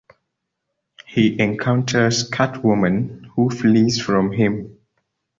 He encounters Catwoman, who flees from him.